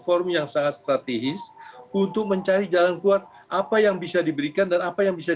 forum yang sangat strategis untuk mencari jalan kuat apa yang bisa diberikan dan apa yang bisa